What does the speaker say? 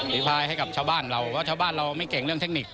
ภายให้กับชาวบ้านเราเพราะชาวบ้านเราไม่เก่งเรื่องเทคนิค